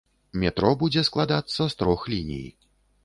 Метро будзе складацца з трох ліній.